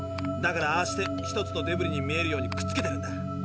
だからああして一つのデブリに見えるようにくっつけてるんだ。